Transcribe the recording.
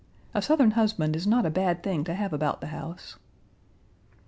A Southern husband is not a bad thing to have about the house."